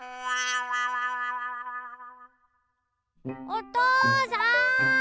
おとうさん！